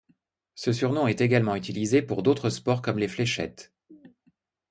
Ce surnom est également utilisé pour d'autres sports comme les fléchettes.